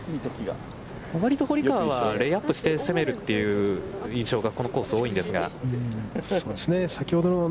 割と堀川はレイアップして攻めるという印象がこのコース多いんですが。